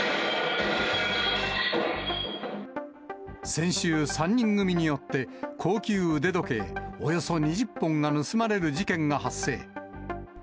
先週、３人組によって、高級腕時計およそ２０本が盗まれる事件が発生。